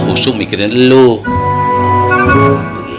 husuk mikirin lu gitu nah ini